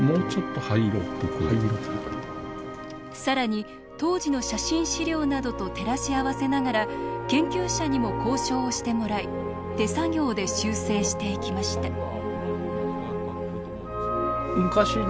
更に当時の写真資料などと照らし合わせながら研究者にも考証をしてもらい手作業で修正していきました。